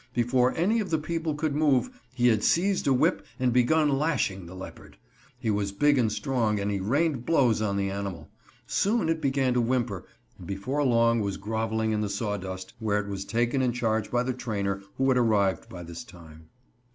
Before any of the people could move, he had seized a whip and begun lashing the leopard. He was big and strong, and he rained blows on the animal. Soon it began to whimper and before long was groveling in the sawdust, where it was taken in charge by the trainer, who had arrived by this time.